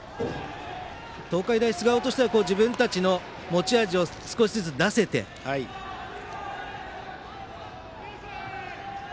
東海大菅生としては自分たちの持ち味を少しずつ出せているか。